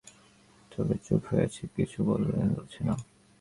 তবে চুপ হয়ে আছে, কিছু বলছে না।